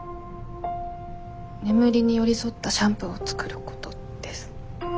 眠りに寄り添ったシャンプーを作ることです。